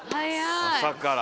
朝から。